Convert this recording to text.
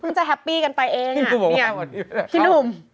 เพิ่งจะแฮปปี้กันไปเองนี่พี่หนุ่ม